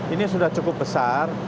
ini sudah cukup besar